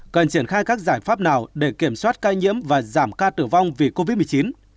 cần triển khai các giải pháp nào để kiểm soát ca nhiễm và giảm ca tử vong vì covid một mươi chín